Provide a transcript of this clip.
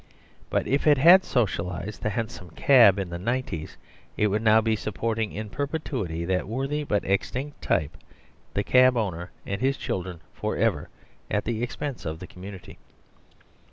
But if it had socialised the han som cab in the nineties, it would now be supporting in per petuity that worthy but extinct type the cab owner (and his children for ever) at the expense of the community.